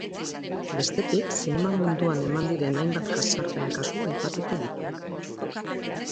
Bestetik, zinema munduan eman diren hainbat jazarpen kasu aipatuko ditu.